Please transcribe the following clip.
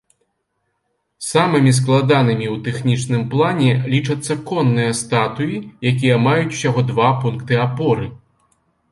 Самымі складанымі ў тэхнічным плане лічацца конныя статуі, якія маюць усяго два пункты апоры.